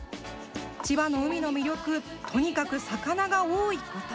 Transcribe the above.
千葉の海の魅力、とにかく魚がすごく多いこと。